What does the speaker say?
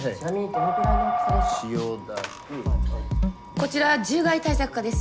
☎こちら獣害対策課です。